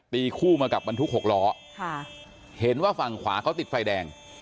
ตีคู่มากับบรรทุกหกล้อค่ะเห็นว่าฝั่งขวาเขาติดไฟแดง